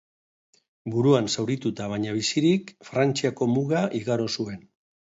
Buruan zaurituta baina bizirik, Frantziako muga igaro zuen.